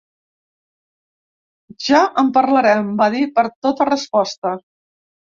Ja en parlarem, va dir per tota resposta.